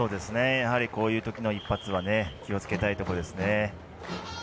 こういうときの一発は気をつけたいところです。